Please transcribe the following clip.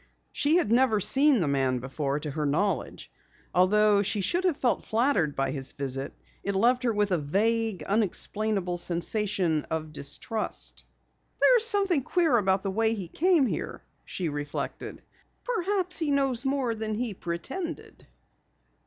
She had never seen the man before to her knowledge. Although she should have felt flattered by his visit, it left her with a vague, unexplainable sensation of distrust. "There's something queer about the way he came here," she reflected. "Perhaps he knows more than he pretended."